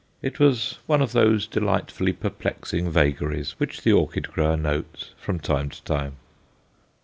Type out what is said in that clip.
It was one of those delightfully perplexing vagaries which the orchid grower notes from time to time.